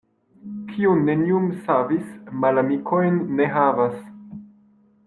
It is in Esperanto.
Kiu neniun savis, malamikojn ne havas.